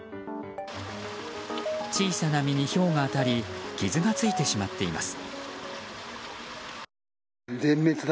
小さな実にひょうが当たり傷がついてしまっています。